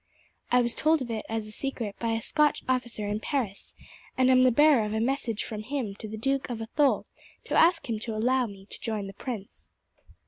"I was told of it as a secret by a Scotch officer in Paris, and am the bearer of a message from him to the Duke of Athole, to ask him to allow me to join the prince."